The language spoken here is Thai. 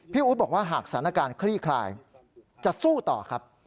อู๊ดบอกว่าหากสถานการณ์คลี่คลายจะสู้ต่อครับ